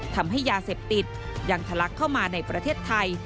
ทำให้ยาเสพติดยังทะลักเข้ามาในประเทศไทย